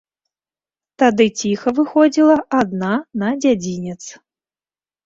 Тады ціха выходзіла адна на дзядзінец.